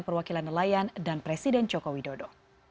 perwakilan nelayan dan presiden joko widodo